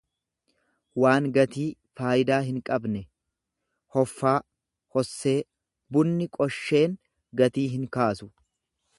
waan gatii faayidaa hinqabne, hoffaa, hossee; Bunni qosheen gatii hinkaasu.